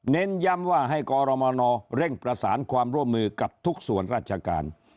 เน้นย้ำว่าให้กรมนเร่งประสานความร่วมมือกับทุกส่วนราชการ